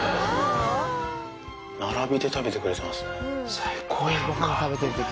並びで食べてくれてますね。